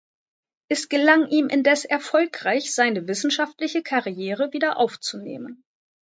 Es gelang ihm indes erfolgreich, seine wissenschaftliche Karriere wieder aufzunehmen.